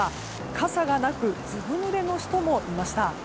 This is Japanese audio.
傘がなくずぶぬれの人もいました。